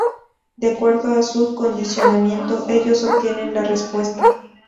De acuerdo a su condicionamiento ellos obtienen la respuesta.